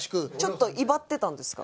ちょっと威張ってたんですか？